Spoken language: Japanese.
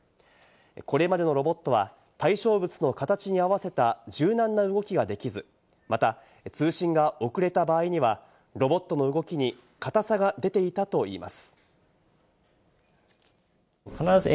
これまでのロボットは、対象物の形に合わせた柔軟な動きができず、また通信が遅れた場合には、ロボットの動きに硬さが出ていたといいます。